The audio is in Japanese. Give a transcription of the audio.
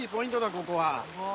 ここは。